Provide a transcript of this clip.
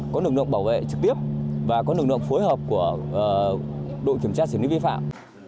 có lực lượng bảo vệ trực tiếp và có lực lượng phối hợp của đội kiểm tra xử lý vi phạm